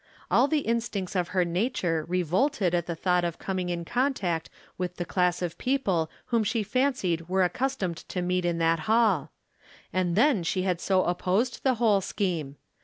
All the instincts of her nature revolted at the thought of coming in contact with the class of people whom she fancied were accustomed to meet in that hall. And then she had so opposed the whole scheme.